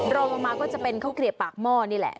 รองลงมาก็จะเป็นข้าวเกลียบปากหม้อนี่แหละ